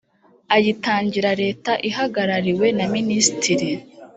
ayitangira leta ihagarariwe na minisitiri.